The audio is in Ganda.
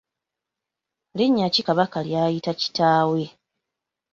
Linnya ki Kabaka ly’ayita kitaawe?